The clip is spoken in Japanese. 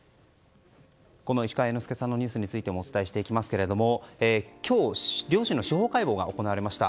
この市川猿之助さんのニュースについてもお伝えしていきますが今日、両親の司法解剖が行われました。